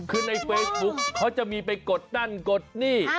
คือในเฟซบุ๊คเขาจะมีไปกดนั่นกดนี่